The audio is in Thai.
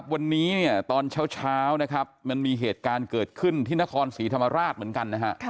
วันนี้ตอนเช้านะครับมันมีเหตุการณ์เกิดขึ้นที่นครศรีธรรมราชเหมือนกันนะฮะ